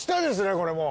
これもう。